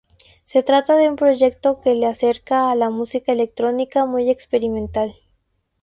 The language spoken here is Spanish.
Se trata de un proyecto que le acerca a la música electrónica, muy experimental.